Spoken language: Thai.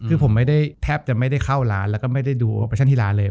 คือผมแทบจะไม่ได้เข้าร้านแล้วก็ไม่ได้ดูโอปอร์เช็นทีราเลย